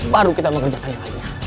baru kita mengerjakan yang lainnya